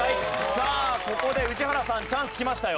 さあここで宇治原さんチャンス来ましたよ。